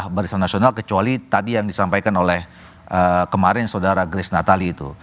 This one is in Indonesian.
barisan nasional kecuali tadi yang disampaikan oleh kemarin saudara grace natali itu